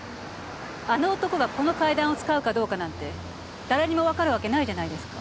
あの男がこの階段を使うかどうかなんて誰にもわかるわけないじゃないですか。